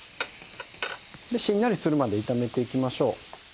でしんなりするまで炒めていきましょう。